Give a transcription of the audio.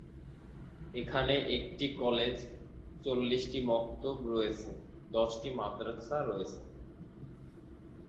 এখানে একটি কলেজ, চল্লিশটি মক্তব রয়েছে, দশটি মাদ্রাসা রয়েছে।